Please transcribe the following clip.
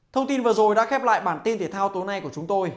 thông tin vừa rồi đã khép lại bản tin thể thao tối nay của chúng tôi